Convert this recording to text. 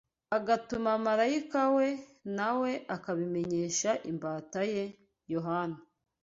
agatuma marayika we, na we akabimenyesha imbata ye Yohana